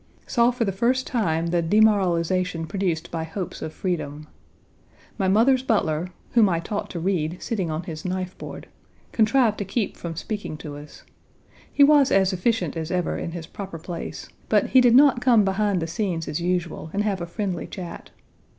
Saw for the first time the demoralization produced by hopes of freedom. My mother's butler (whom I taught to read, sitting on his knife board) contrived to keep from speaking to us. He was as efficient as ever in his proper place, but he did not come behind the scenes as usual and have a friendly chat.